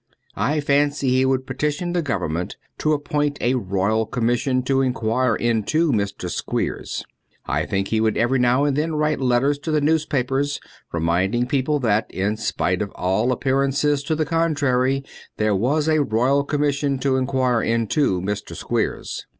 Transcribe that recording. I fancy he would petition the Government to appoint a Royal Com mission to inquire into Mr. Squeers. I think he would every now and then write letters to the newspapers reminding people that, in spite of all appearances to the contrary, there was a Royal Commission to inquire into Mr. Squeers.